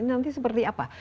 ini nanti seperti apa